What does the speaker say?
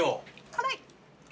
辛い。